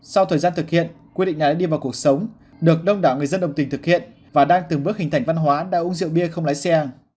sau thời gian thực hiện quy định này đi vào cuộc sống được đông đảo người dân đồng tình thực hiện và đang từng bước hình thành văn hóa đã uống rượu bia không lái xe